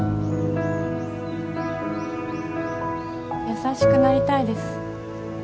優しくなりたいです